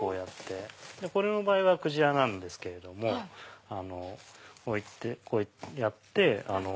これの場合はクジラですけどこうやって。